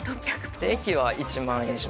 駅は１万以上。